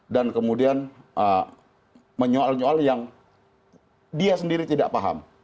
dan kemudian menyoal nyoal yang dia sendiri tidak paham